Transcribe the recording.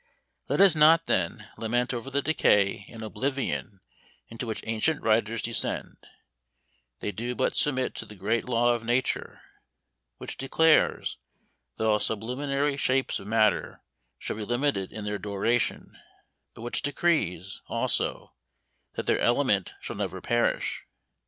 Let us not then, lament over the decay and oblivion into which ancient writers descend; they do but submit to the great law of Nature, which declares that all sublunary shapes of matter shall be limited in their duration, but which decrees, also, that their element shall never perish.